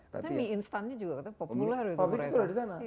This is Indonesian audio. tapi mie instannya juga populer